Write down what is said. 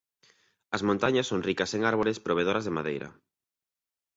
As montañas son ricas en árbores provedoras de madeira.